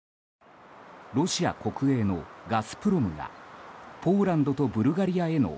ロシア国営のガスプロムがポーランドとブルガリアへの